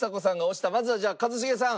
まずはじゃあ一茂さん。